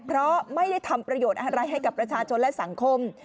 เพราะไม่ได้ทำประโยชน์อะไรให้กับประชาชนและสังคม